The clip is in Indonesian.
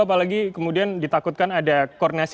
apalagi kemudian ditakutkan ada koordinasi yang terlemah